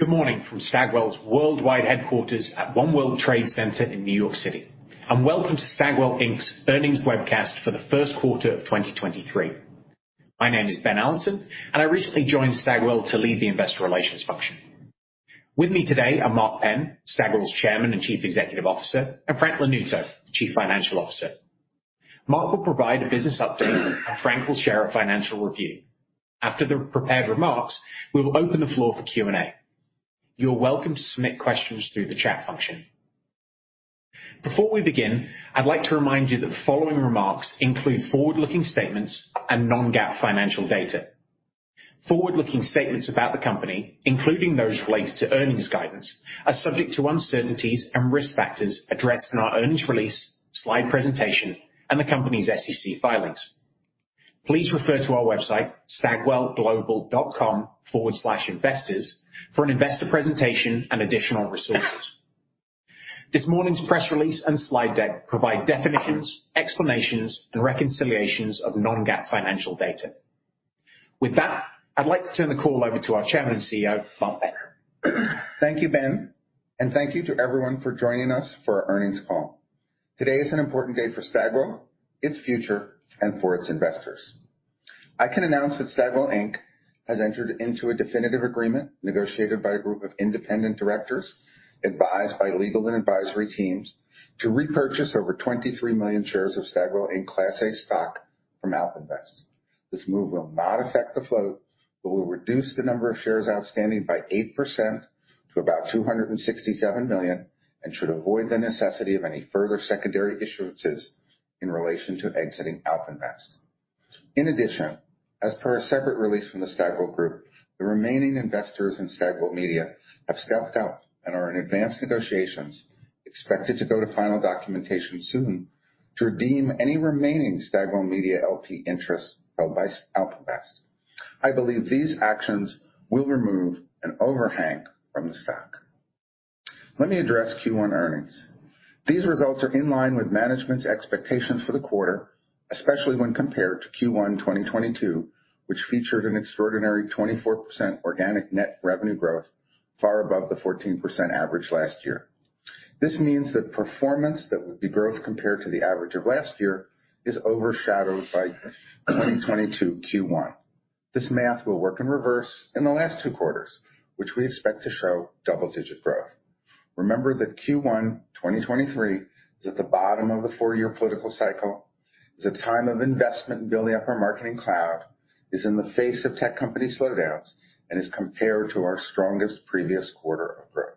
Good morning from Stagwell's worldwide headquarters at One World Trade Center in New York City, and welcome to Stagwell, Inc.'s earnings webcast for the first quarter of 2023. My name is Ben Allanson, and I recently joined Stagwell to lead the investor relations function. With me today are Mark Penn, Stagwell's Chairman and Chief Executive Officer, and Frank Lanuto, Chief Financial Officer. Mark will provide a business update, and Frank will share a financial review. After the prepared remarks, we will open the floor for Q&A. You're welcome to submit questions through the chat function. Before we begin, I'd like to remind you that the following remarks include forward-looking statements and non-GAAP financial data. Forward-looking statements about the company, including those related to earnings guidance, are subject to uncertainties and risk factors addressed in our earnings release, slide presentation, and the company's SEC filings. Please refer to our website, stagwellglobal.com/investors, for an investor presentation and additional resources. This morning's press release and slide deck provide definitions, explanations and reconciliations of non-GAAP financial data. With that, I'd like to turn the call over to our Chairman and CEO, Mark Penn. Thank you, Ben, and thank you to everyone for joining us for our earnings call. Today is an important day for Stagwell, its future, and for its investors. I can announce that Stagwell, Inc. has entered into a definitive agreement negotiated by a group of independent directors, advised by legal and advisory teams, to repurchase over 23 million shares of Stagwell in Class A stock from AlpInvest. This move will not affect the float, but will reduce the number of shares outstanding by 8% to about 267 million, and should avoid the necessity of any further secondary issuances in relation to exiting AlpInvest. As per a separate release from the Stagwell Group, the remaining investors in Stagwell Media have stepped up and are in advanced negotiations, expected to go to final documentation soon, to redeem any remaining Stagwell Media LP interests held by AlpInvest. I believe these actions will remove an overhang from the stock. Let me address Q1 earnings. These results are in line with management's expectations for the quarter, especially when compared to Q1 2022, which featured an extraordinary 24% organic net revenue growth, far above the 14% average last year. This means that performance that would be growth compared to the average of last year is overshadowed by 2022 Q1. This math will work in reverse in the last two quarters, which we expect to show double-digit growth. Remember that Q1 2023 is at the bottom of the four-year political cycle. It's a time of investment in building up our marketing cloud, is in the face of tech company slowdowns, and is compared to our strongest previous quarter of growth.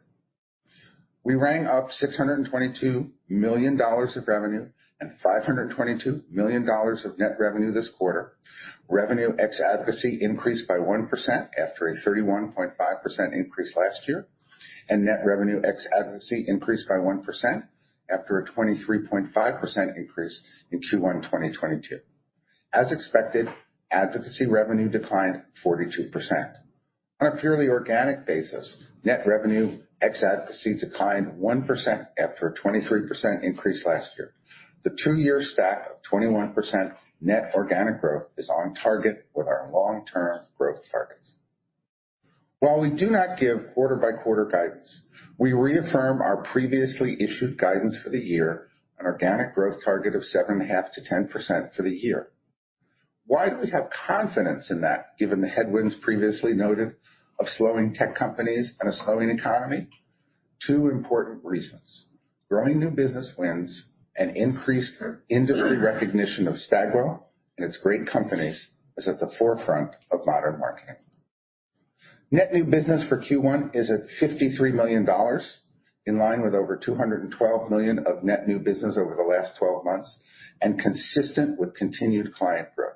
We rang up $622 million of revenue and $522 million of net revenue this quarter. Revenue ex advocacy increased by 1% after a 31.5% increase last year, net revenue ex advocacy increased by 1% after a 23.5% increase in Q1 2022. As expected, advocacy revenue declined 42%. On a purely organic basis, net revenue ex advocacy declined 1% after a 23% increase last year. The two-year stack of 21% net organic growth is on target with our long-term growth targets. While we do not give quarter-by-quarter guidance, we reaffirm our previously issued guidance for the year, an organic growth target of 7.5%-10% for the year. Why do we have confidence in that, given the headwinds previously noted of slowing tech companies and a slowing economy? Two important reasons: growing new business wins and increased industry recognition of Stagwell and its great companies as at the forefront of modern marketing. Net new business for Q1 is at $53 million, in line with over $212 million of net new business over the last 12 months, and consistent with continued client growth.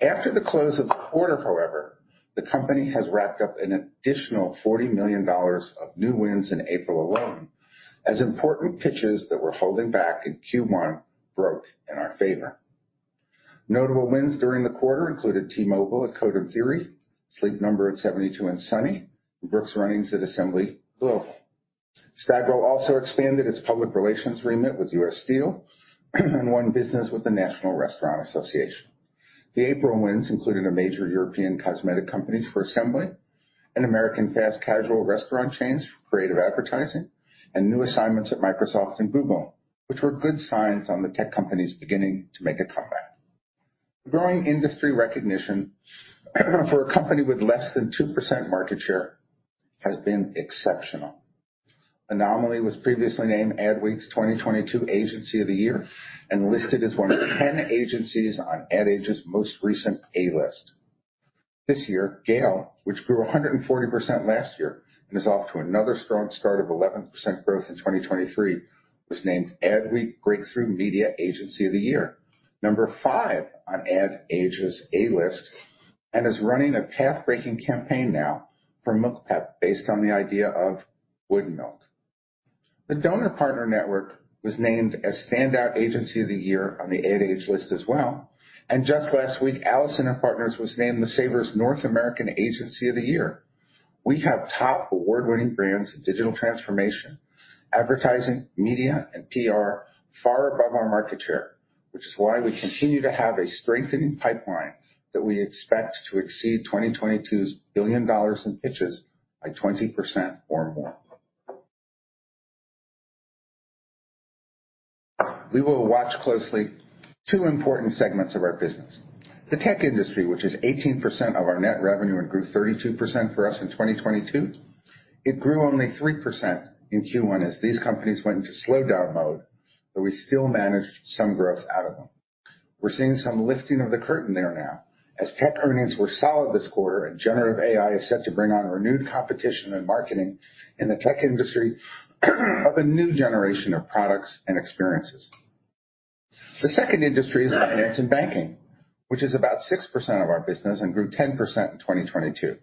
After the close of the quarter, however, the company has racked up an additional $40 million of new wins in April alone as important pitches that we're holding back in Q1 broke in our favor. Notable wins during the quarter included T-Mobile at Code and Theory, Sleep Number at 72andSunny, and Brooks Running at Assembly Global. Stagwell also expanded its public relations remit with US Steel and won business with the National Restaurant Association. The April wins included a major European cosmetic company for Assembly, an American fast casual restaurant chains for creative advertising, and new assignments at Microsoft and Google, which were good signs on the tech companies beginning to make a comeback. Growing industry recognition for a company with less than 2% market share has been exceptional. Anomaly was previously named Adweek's 2022 Agency of the Year and listed as one of the 10 agencies on Ad Age's most recent A-List. This year, GALE, which grew 140% last year and is off to another strong start of 11% growth in 2023, was named Adweek Breakthrough Media Agency of the Year, number five on Ad Age's A-List, and is running a path-breaking campaign now for MilkPEP based on the idea of Wood Milk. The Doner Partners Network was named a standout agency of the year on the Ad Age as well. Just last week, Allison+Partners was named the SABRE's North American Agency of the Year. We have top award-winning brands in digital transformation, advertising, media, and PR far above our market share. We continue to have a strengthening pipeline that we expect to exceed 2022's $1 billion in pitches by 20% or more. We will watch closely two important segments of our business. The tech industry, which is 18% of our net revenue and grew 32% for us in 2022. It grew only 3% in Q1 as these companies went into slowdown mode, but we still managed some growth out of them. We're seeing some lifting of the curtain there now as tech earnings were solid this quarter and generative AI is set to bring on renewed competition and marketing in the tech industry of a new generation of products and experiences. The second industry is finance and banking, which is about 6% of our business and grew 10% in 2022.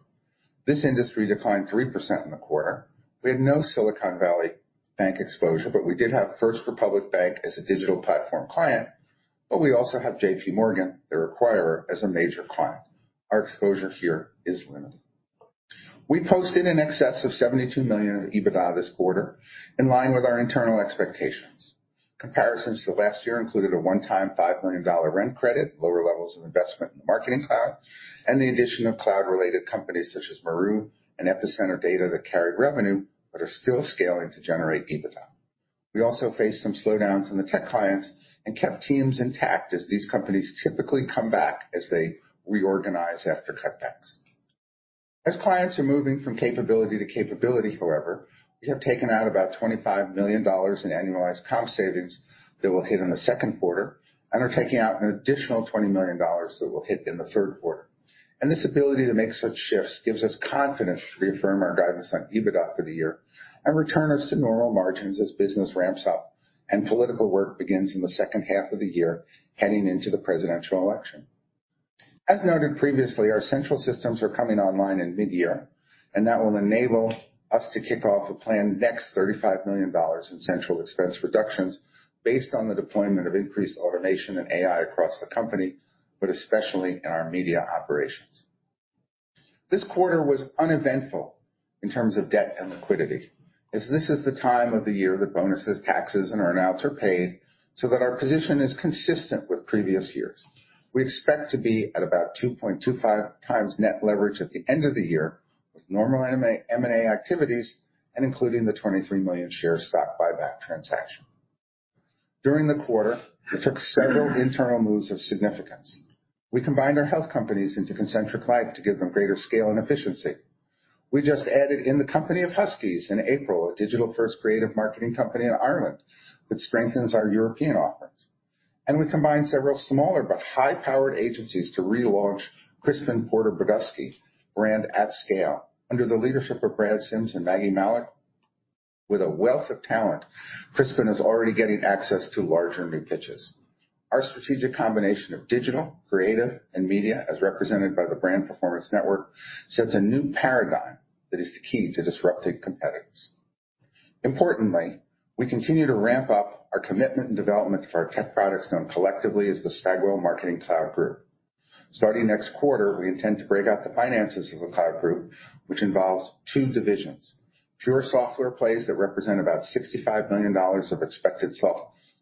This industry declined 3% in the quarter. We had no Silicon Valley Bank exposure. We did have First Republic Bank as a digital platform client. We also have JPMorgan, their acquirer, as a major client. Our exposure here is limited. We posted in excess of $72 million of EBITDA this quarter, in line with our internal expectations. Comparisons to last year included a onetime $5 million rent credit, lower levels of investment in the marketing cloud, and the addition of cloud-related companies such as Maru and Epicenter Experience that carried revenue but are still scaling to generate EBITDA. We also faced some slowdowns in the tech clients and kept teams intact as these companies typically come back as they reorganize after cutbacks. As clients are moving from capability to capability, however, we have taken out about $25 million in annualized comp savings that will hit in the second quarter and are taking out an additional $20 million that will hit in the third quarter. This ability to make such shifts gives us confidence to reaffirm our guidance on EBITDA for the year and return us to normal margins as business ramps up and political work begins in the second half of the year heading into the presidential election. As noted previously, our central systems are coming online in mid-year, and that will enable us to kick off a planned next $35 million in central expense reductions based on the deployment of increased automation and AI across the company, but especially in our media operations. This quarter was uneventful in terms of debt and liquidity, as this is the time of the year that bonuses, taxes, and earn-outs are paid so that our position is consistent with previous years. We expect to be at about 2.25x net leverage at the end of the year with normal M&A activities, including the $23 million share stock buyback transaction. During the quarter, we took several internal moves of significance. We combined our health companies into ConcentricLife to give them greater scale and efficiency. We just added In the Company of Huskies in April, a digital-first creative marketing company in Ireland that strengthens our European offerings. We combined several smaller but high-powered agencies to relaunch Crispin Porter + Bogusky brand at scale under the leadership of Brad Simms and Maggie Malloch. With a wealth of talent, Crispin is already getting access to larger new pitches. Our strategic combination of digital, creative, and media, as represented by the Brand Performance Network, sets a new paradigm that is the key to disrupting competitors. Importantly, we continue to ramp up our commitment and development for our tech products known collectively as the Stagwell Marketing Cloud Group. Starting next quarter, we intend to break out the finances of the cloud group, which involves two divisions. Pure software plays that represent about $65 million of expected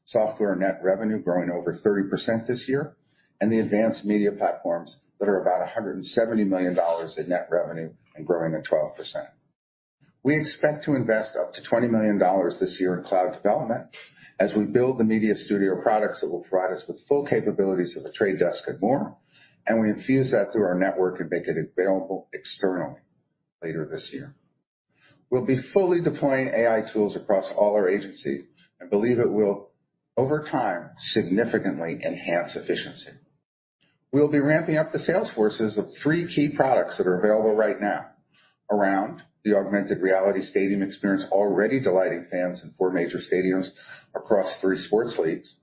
software net revenue growing over 30% this year, and the advanced media platforms that are about $170 million in net revenue and growing at 12%. We expect to invest up to $20 million this year in cloud development as we build the Media Studio products that will provide us with full capabilities of a trade desk and more, and we infuse that through our network and make it available externally later this year. We'll be fully deploying AI tools across all our agencies and believe it will, over time, significantly enhance efficiency. We'll be ramping up the sales forces of three key products that are available right now around the augmented reality stadium experience, already delighting fans in four major stadiums across three sports leagues.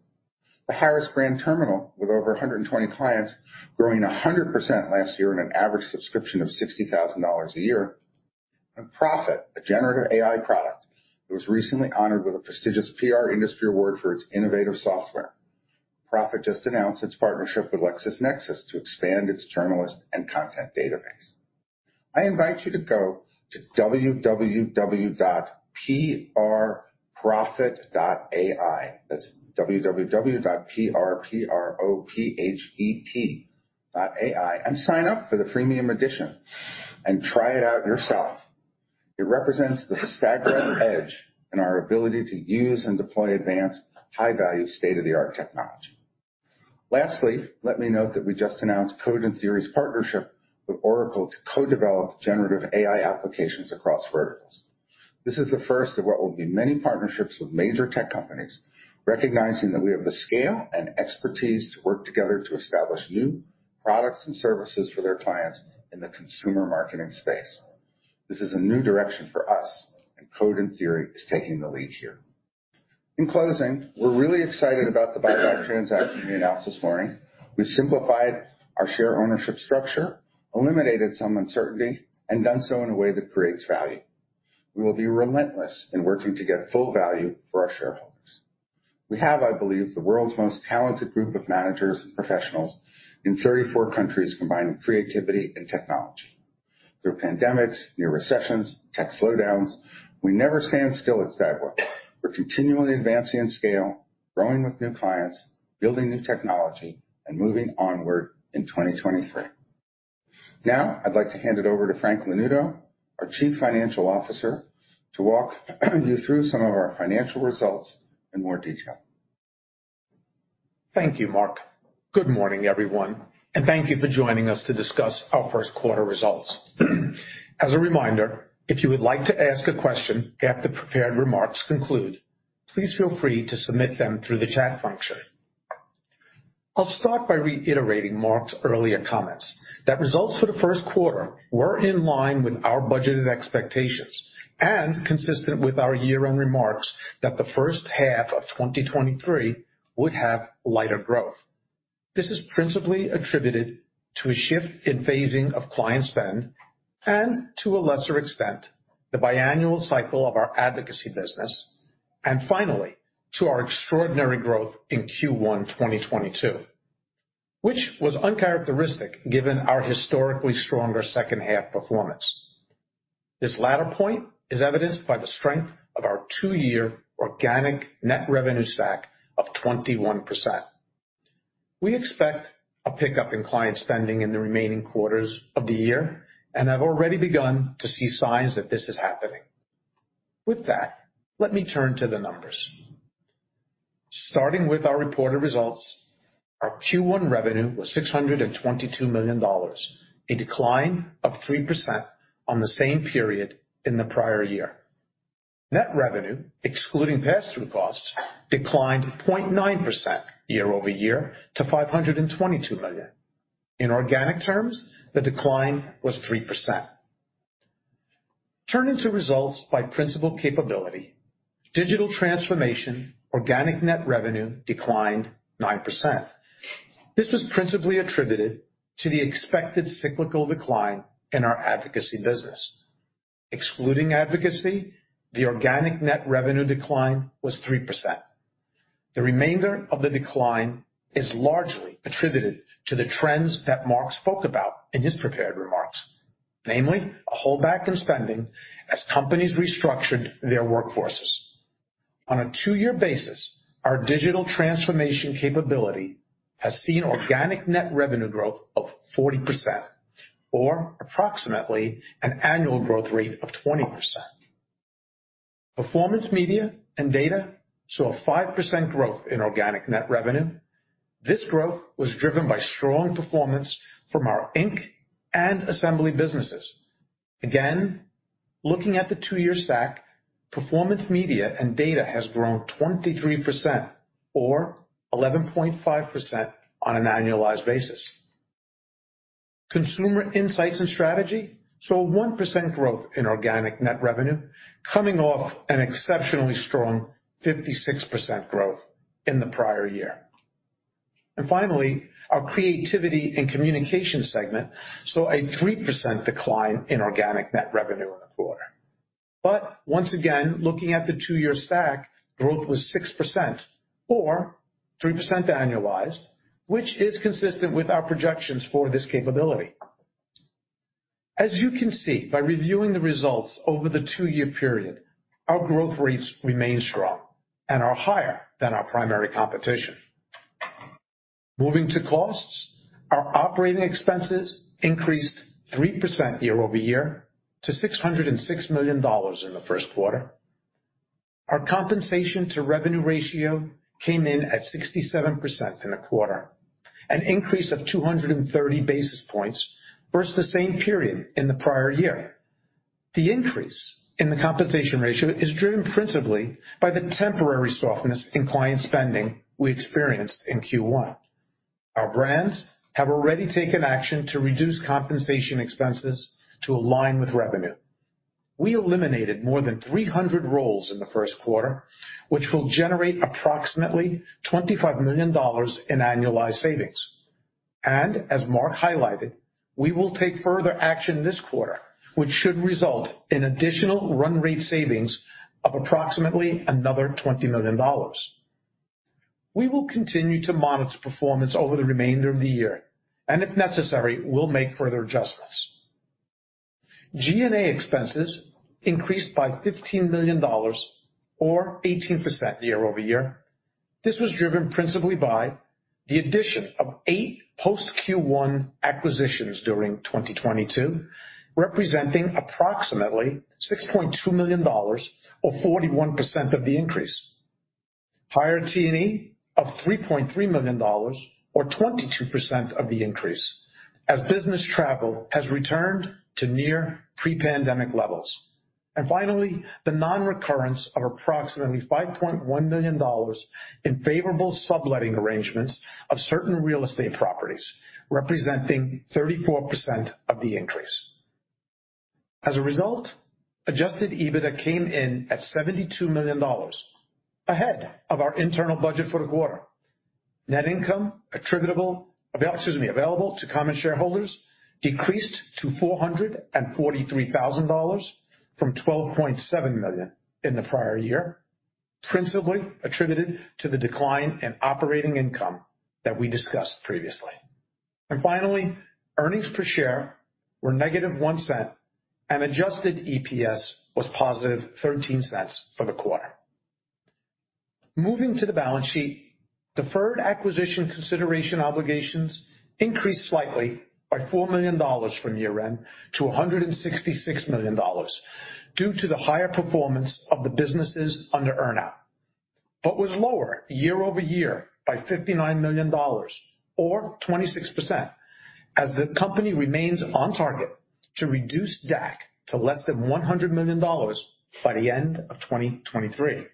The Harris Brand Terminal with over 120 clients, growing 100% last year on an average subscription of $60,000 a year. PRophet, a generative AI product that was recently honored with a prestigious PR industry award for its innovative software. PRophet just announced its partnership with LexisNexis to expand its journalist and content database. I invite you to go to www.prprophet.ai. That's www.P-R-P-R-O-P-H-E-T.a-i, and sign up for the freemium edition and try it out yourself. It represents the Stagwell edge in our ability to use and deploy advanced, high-value, state-of-the-art technology. Lastly, let me note that we just announced Code and Theory's partnership with Oracle to co-develop generative AI applications across verticals. This is the first of what will be many partnerships with major tech companies, recognizing that we have the scale and expertise to work together to establish new products and services for their clients in the consumer marketing space. Code and Theory is taking the lead here. In closing, we're really excited about the buyback transaction we announced this morning. We've simplified our share ownership structure, eliminated some uncertainty, and done so in a way that creates value. We will be relentless in working to get full value for our shareholders. We have, I believe, the world's most talented group of managers and professionals in 34 countries combining creativity and technology. Through pandemics, near recessions, tech slowdowns, we never stand still at Stagwell. We're continually advancing in scale, growing with new clients, building new technology, and moving onward in 2023. Now, I'd like to hand it over to Frank Lanuto, our Chief Financial Officer, to walk you through some of our financial results in more detail. Thank you, Mark. Good morning, everyone, and thank you for joining us to discuss our first quarter results. As a reminder, if you would like to ask a question after prepared remarks conclude, please feel free to submit them through the chat function. I'll start by reiterating Mark's earlier comments. That results for the first quarter were in line with our budgeted expectations and consistent with our year-end remarks that the first half of 2023 would have lighter growth. This is principally attributed to a shift in phasing of client spend and, to a lesser extent, the biannual cycle of our advocacy business, and finally, to our extraordinary growth in Q1 2022, which was uncharacteristic given our historically stronger second half performance. This latter point is evidenced by the strength of our two-year organic net revenue stack of 21%. We expect a pickup in client spending in the remaining quarters of the year and have already begun to see signs that this is happening. With that, let me turn to the numbers. Starting with our reported results, our Q1 revenue was $622 million, a decline of 3% on the same period in the prior year. Net revenue, excluding pass-through costs, declined 0.9% year-over-year to $522 million. In organic terms, the decline was 3%. Turning to results by principal capability. Digital transformation organic net revenue declined 9%. This was principally attributed to the expected cyclical decline in our advocacy business. Excluding advocacy, the organic net revenue decline was 3%. The remainder of the decline is largely attributed to the trends that Mark spoke about in his prepared remarks. Namely, a holdback from spending as companies restructured their workforces. On a two-year basis, our digital transformation capability has seen organic net revenue growth of 40% or approximately an annual growth rate of 20%. Performance media and data saw a 5% growth in organic net revenue. This growth was driven by strong performance from our Ink and Assembly businesses. Again, looking at the two-year stack, performance media and data has grown 23% or 11.5% on an annualized basis. Consumer insights and strategy saw a 1% growth in organic net revenue, coming off an exceptionally strong 56% growth in the prior year. Finally, our creativity and communication segment saw a 3% decline in organic net revenue in the quarter. Once again, looking at the two-year stack, growth was 6% or 3% annualized, which is consistent with our projections for this capability. As you can see, by reviewing the results over the two-year period, our growth rates remain strong and are higher than our primary competition. Moving to costs. Our operating expenses increased 3% year-over-year to $606 million in the first quarter. Our compensation to revenue ratio came in at 67% in the quarter, an increase of 230 basis points versus the same period in the prior year. The increase in the compensation ratio is driven principally by the temporary softness in client spending we experienced in Q1. Our brands have already taken action to reduce compensation expenses to align with revenue. We eliminated more than 300 roles in the first quarter, which will generate approximately $25 million in annualized savings. As Mark highlighted, we will take further action this quarter, which should result in additional run rate savings of approximately another $20 million. We will continue to monitor performance over the remainder of the year and if necessary, we'll make further adjustments. G&A expenses increased by $15 million or 18% year-over-year. This was driven principally by the addition of eight post Q1 acquisitions during 2022, representing approximately $6.2 million or 41% of the increase. Higher T&E of $3.3 million or 22% of the increase as business travel has returned to near pre-pandemic levels. Finally, the nonrecurrence of approximately $5.1 million in favorable subletting arrangements of certain real estate properties representing 34% of the increase. As a result, adjusted EBITDA came in at $72 million, ahead of our internal budget for the quarter. Net income available to common shareholders decreased to $443,000 from $12.7 million in the prior year. Principally attributed to the decline in operating income that we discussed previously. Finally, earnings per share were -$0.01, and adjusted EPS was +$0.13 for the quarter. Moving to the balance sheet, deferred acquisition consideration obligations increased slightly by $4 million from year-end to $166 million due to the higher performance of the businesses under earn out, but was lower year-over-year by $59 million or 26% as the company remains on target to reduce DAC to less than $100 million by the end of 2023.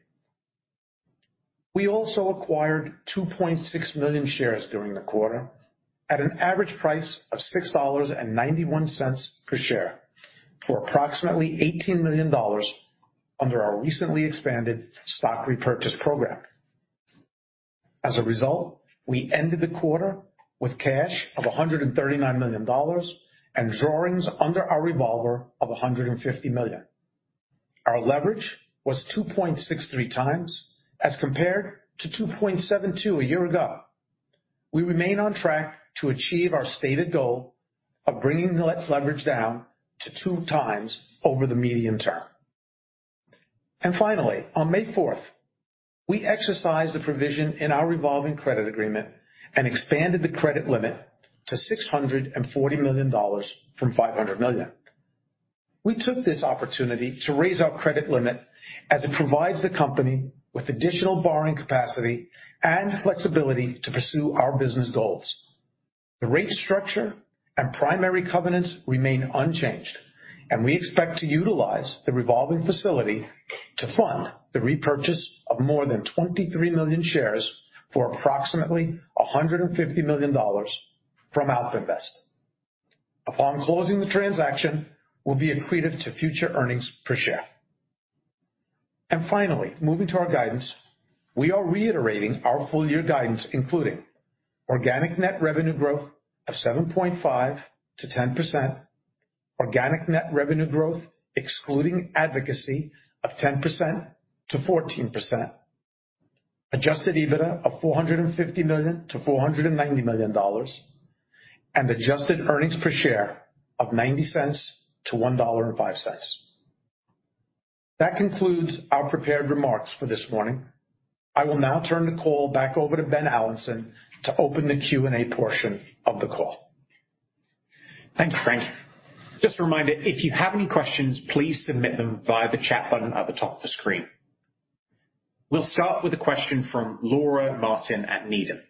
We also acquired 2.6 million shares during the quarter at an average price of $6.91 per share, for approximately $18 million under our recently expanded stock repurchase program. As a result, we ended the quarter with cash of $139 million and drawings under our revolver of $150 million. Our leverage was 2.63x as compared to 2.72 a year ago. We remain on track to achieve our stated goal of bringing net leverage down to two times over the medium term. Finally, on May 4th, we exercised the provision in our revolving credit agreement and expanded the credit limit to $640 million from $500 million. We took this opportunity to raise our credit limit as it provides the company with additional borrowing capacity and flexibility to pursue our business goals. The rate structure and primary covenants remain unchanged, and we expect to utilize the revolving facility to fund the repurchase of more than 23 million shares for approximately $150 million from AlpInvest. Upon closing the transaction will be accretive to future earnings per share. Finally, moving to our guidance, we are reiterating our full year guidance, including organic net revenue growth of 7.5%-10%, organic net revenue growth excluding advocacy of 10%-14%, adjusted EBITDA of $450 million-$490 million, and adjusted earnings per share of $0.90-$1.05. That concludes our prepared remarks for this morning. I will now turn the call back over to Ben Allanson to open the Q&A portion of the call. Thanks, Frank. Just a reminder, if you have any questions, please submit them via the chat button at the top of the screen. We'll start with a question from Laura Martin at Needham.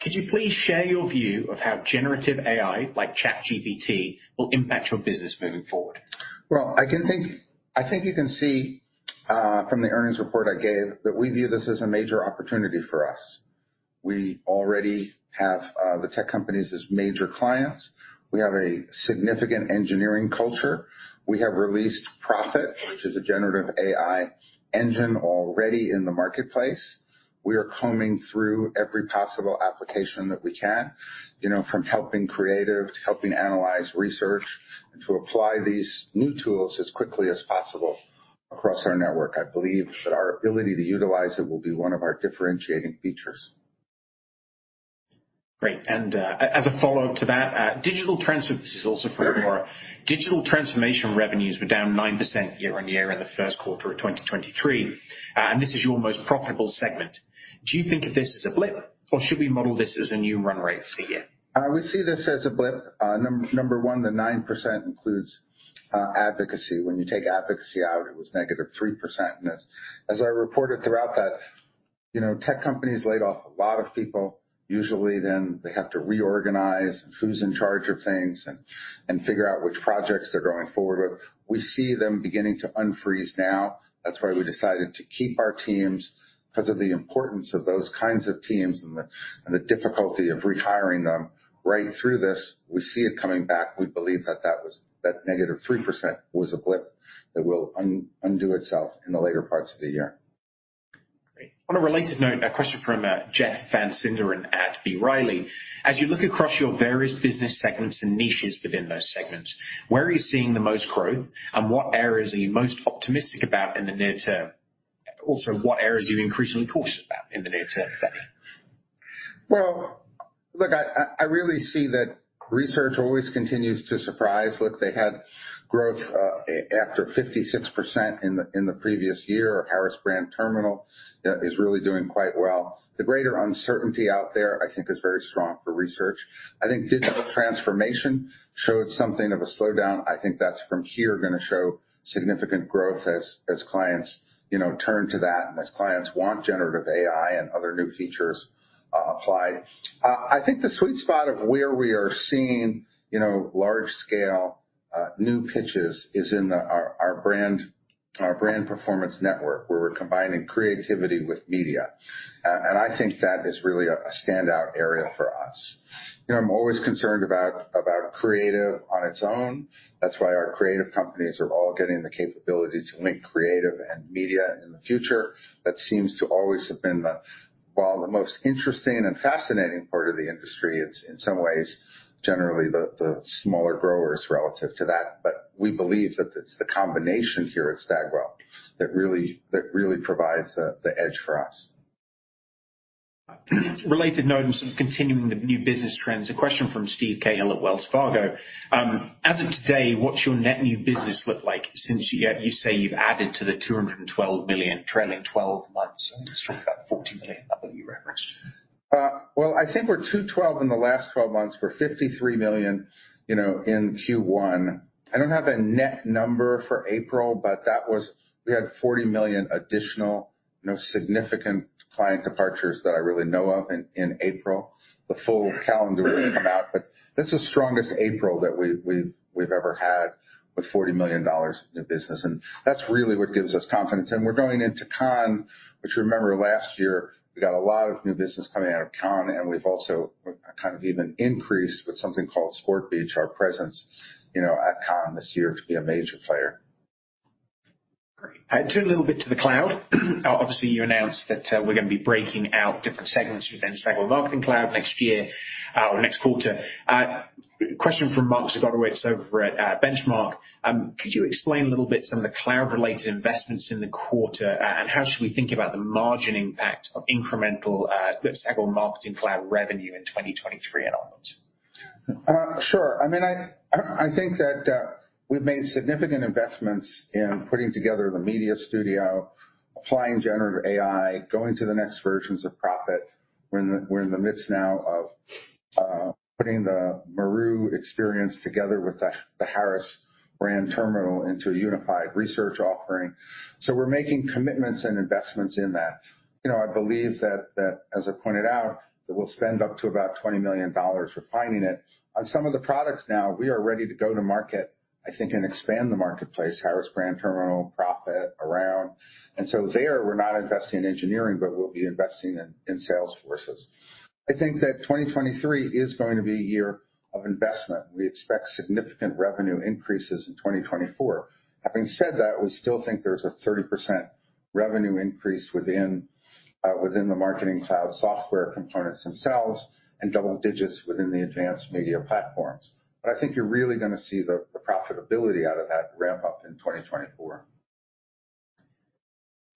Could you please share your view of how generative AI like ChatGPT will impact your business moving forward? Well, I think you can see from the earnings report I gave that we view this as a major opportunity for us. We already have the tech companies as major clients. We have a significant engineering culture. We have released PRophet, which is a generative AI engine already in the marketplace. We are combing through every possible application that we can, you know, from helping creative to helping analyze research and to apply these new tools as quickly as possible across our network. I believe that our ability to utilize it will be one of our differentiating features. Great. As a follow-up to that. This is also for Laura. Digital transformation revenues were down 9% year-on-year in the first quarter of 2023. This is your most profitable segment. Do you think of this as a blip or should we model this as a new run rate for you? I would see this as a blip. number one, the 9% includes advocacy. When you take advocacy out, it was negative 3% in this. As I reported throughout that, you know, tech companies laid off a lot of people. Usually then they have to reorganize who's in charge of things and figure out which projects they're going forward with. We see them beginning to unfreeze now. That's why we decided to keep our teams, because of the importance of those kinds of teams and the difficulty of rehiring them right through this. We see it coming back. We believe that negative 3% was a blip that will undo itself in the later parts of the year. Great. On a related note, a question from Jeff Van Sinderen at B. Riley. As you look across your various business segments and niches within those segments, where are you seeing the most growth and what areas are you most optimistic about in the near term? Also, what areas are you increasingly cautious about in the near term, Frank? Well, look, I really see that research always continues to surprise. Look, they had growth after 56% in the previous year. Harris Brand Terminal is really doing quite well. The greater uncertainty out there I think is very strong for research. I think digital transformation showed something of a slowdown. I think that's from here gonna show significant growth as clients, you know, turn to that and as clients want generative AI and other new features applied. I think the sweet spot of where we are seeing, you know, large scale new pitches is in our Brand Performance Network, where we're combining creativity with media. I think that is really a standout area for us. You know, I'm always concerned about creative on its own. That's why our creative companies are all getting the capability to link creative and media in the future. That seems to always have been the, while the most interesting and fascinating part of the industry, it's in some ways generally the smaller growers relative to that. We believe that it's the combination here at Stagwell that really, that really provides the edge for us. Related note, sort of continuing the new business trends, a question from Steve Cahall at Wells Fargo. As of today, what's your net new business look like since you say you've added to the $212 million trailing twelve months? I think it's about $40 million I believe you referenced? Well, I think we're $212 in the last 12 months. We're $53 million, you know, in Q1. I don't have a net number for April, but that was. We had $40 million additional, no significant client departures that I really know of in April. The full calendar will come out, but that's the strongest April that we've ever had with $40 million new business. That's really what gives us confidence. We're going into Cannes, which remember last year we got a lot of new business coming out of Cannes. We've also kind of even increased with something called SPORT BEACH, our presence, you know, at Cannes this year to be a major player. Great. Turning a little bit to the cloud. Obviously, you announced that, we're gonna be breaking out different segments within Stagwell Marketing Cloud next year or next quarter. Question from Mark Zgutowicz over at Benchmark. Could you explain a little bit some of the cloud-related investments in the quarter, and how should we think about the margin impact of incremental Stagwell Marketing Cloud revenue in 2023 and onwards? Sure. I mean, I think that we've made significant investments in putting together the Media Studio, applying generative AI, going to the next versions of PRophet. We're in the midst now of putting the Maru experience together with the Harris Brand Terminal into a unified research offering. We're making commitments and investments in that. You know, I believe that, as I pointed out, that we'll spend up to about $20 million refining it. On some of the products now, we are ready to go to market, I think, and expand the marketplace, Harris Brand Terminal PRophet ARound. There we're not investing in engineering, but we'll be investing in sales forces. I think that 2023 is going to be a year of investment. We expect significant revenue increases in 2024. Having said that, we still think there's a 30% revenue increase within the marketing cloud software components themselves and double digits within the advanced media platforms. I think you're really gonna see the profitability out of that ramp up in 2024.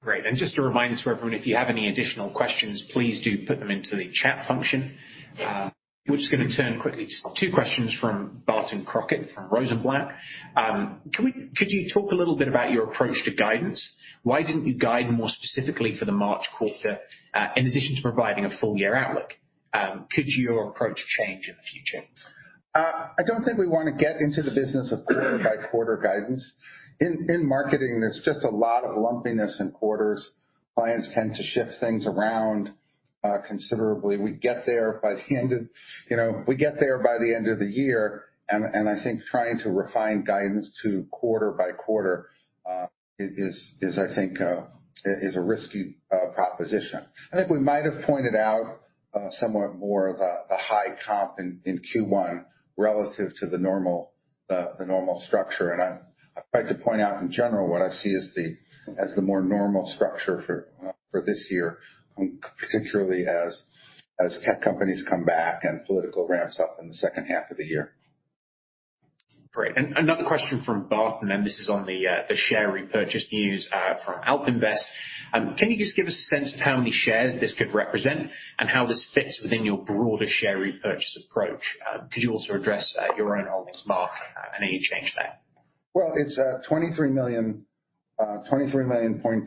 Great. Just a reminder to everyone, if you have any additional questions, please do put them into the chat function. We're just gonna turn quickly to two questions from Barton Crockett from Rosenblatt. Could you talk a little bit about your approach to guidance? Why didn't you guide more specifically for the March quarter, in addition to providing a full year outlook? Could your approach change in the future? I don't think we wanna get into the business of quarter by quarter guidance. In marketing, there's just a lot of lumpiness in quarters. Clients tend to shift things around considerably. We get there by the end of, you know, the year, and I think trying to refine guidance to quarter by quarter is, I think, is a risky proposition. I think we might have pointed out somewhat more the high comp in Q1 relative to the normal structure. If I could point out in general what I see as the more normal structure for this year, particularly as tech companies come back and political ramps up in the second half of the year. Great. Another question from Barton, and this is on the share repurchase news from AlpInvest. Can you just give us a sense of how many shares this could represent and how this fits within your broader share repurchase approach? Could you also address your own holdings, Mark, and any change there? Well, it's 23.3 million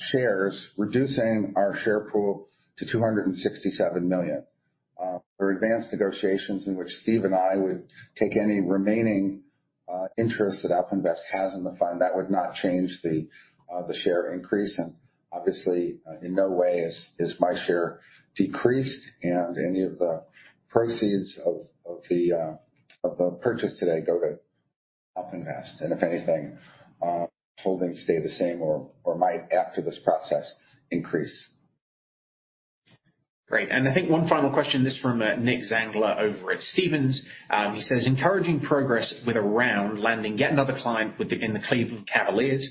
shares, reducing our share pool to 267 million. For advanced negotiations in which Steve and I would take any remaining interest that AlpInvest has in the fund, that would not change the share increase. Obviously in no way is my share decreased and any of the proceeds of the purchase today go to AlpInvest. If anything, holdings stay the same or might after this process increase. I think one final question, this from Nick Zangler over at Stephens. He says, encouraging progress with ARound landing yet another client in the Cleveland Cavaliers,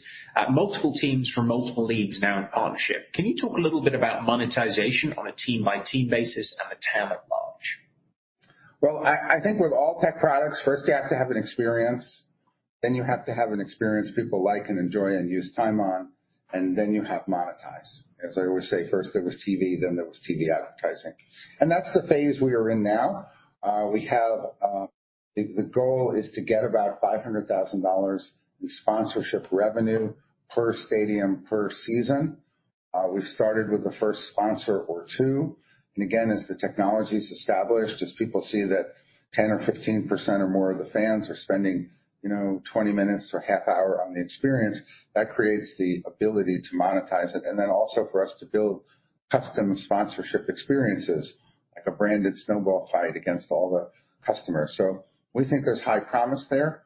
multiple teams from multiple leagues now in partnership. Can you talk a little bit about monetization on a team-by-team basis and the TAM at large? Well, I think with all tech products, first you have to have an experience, then you have to have an experience people like and enjoy and use time on, and then you have monetize. As I always say, first there was TV, then there was TV advertising. That's the phase we are in now. We have the goal is to get about $500,000 in sponsorship revenue per stadium per season. We've started with the first sponsor or two. Again, as the technology is established, as people see that 10% or 15% or more of the fans are spending, you know, 20 minutes or half hour on the experience, that creates the ability to monetize it. Then also for us to build custom sponsorship experiences like a branded snowball fight against all the customers. We think there's high promise there.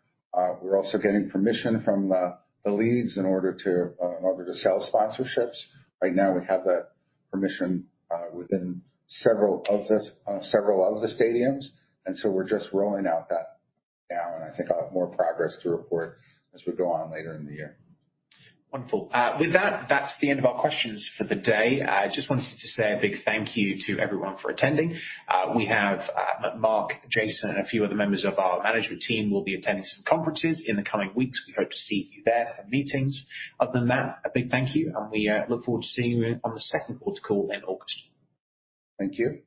We're also getting permission from the leads in order to sell sponsorships. Right now we have the permission within several of the stadiums, and so we're just rolling out that now. I think I'll have more progress to report as we go on later in the year. Wonderful. With that's the end of our questions for the day. I just wanted to say a big thank you to everyone for attending. We have Mark, Jason, and a few other members of our management team will be attending some conferences in the coming weeks. We hope to see you there at the meetings. Other than that, a big thank you, and we look forward to seeing you on the second quarter call in August. Thank you.